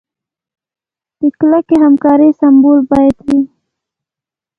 د کلکې همکارۍ سمبول باید وي.